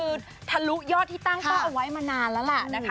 คือทะลุยอดที่ตั้งเป้าเอาไว้มานานแล้วล่ะนะคะ